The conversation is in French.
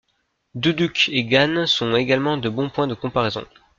Duduk et Guan sont également de bons points de comparaison.